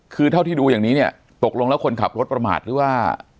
คือเท่าที่ดูอย่างนี้เนี่ยตกลงแล้วคนขับรถประมาทหรือว่า